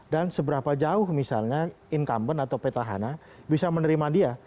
dan seberapa jauh misalnya incumbent atau petahana bisa menerima dia